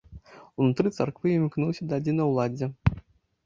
Унутры царквы імкнуўся да адзінаўладдзя.